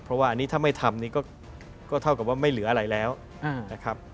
เพราะว่าอันนี้ถ้าไม่ทำนี่ก็เท่ากับว่าไม่เหลืออะไรแล้วนะครับ